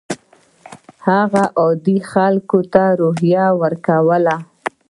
هغه عادي خلکو ته روحیه ورکوله.